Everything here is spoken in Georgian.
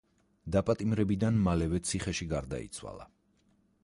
დაპატიმრებიდან მალევე ციხეში გარდაიცვალა.